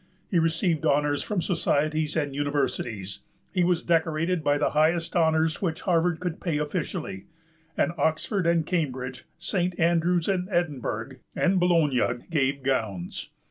He received honors from societies and universities; he was decorated by the highest honors which Harvard could pay officially; and Oxford and Cambridge, St. Andrews and Edinburgh and Bologna, gave gowns.